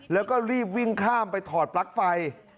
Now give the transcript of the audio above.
แล้วก็รีบวิ่งข้ามไปถอดปลั๊กไฟ